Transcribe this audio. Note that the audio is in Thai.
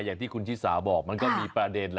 อย่างที่คุณชิสาบอกมันก็มีประเด็น